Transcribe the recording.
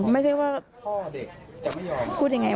ไม่ใช่ว่าพี่พ่อเด็กจะไม่ยอม